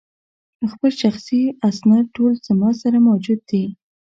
خپل شخصي اسناد ټول زما سره موجود دي.